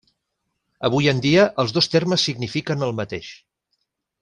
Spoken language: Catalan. Avui en dia els dos termes signifiquen el mateix.